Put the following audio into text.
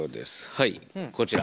はいこちら。